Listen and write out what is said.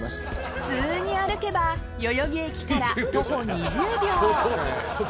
普通に歩けば代々木駅から徒歩２０秒。